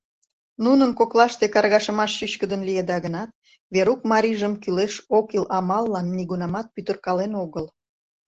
Нунын коклаште каргашымаш чӱчкыдын лиеда гынат, Верук марийжым кӱлеш-оккӱл амаллан нигунамат пӱтыркален огыл.